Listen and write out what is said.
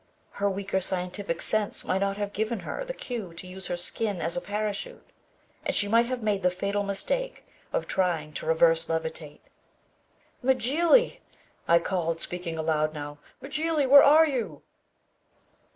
Her weaker scientific sense might not have given her the cue to use her skin as a parachute and she might have made the fatal mistake of trying to reverse levitate. "Mjly!" I called, speaking aloud now. "Mjly! Where are you?"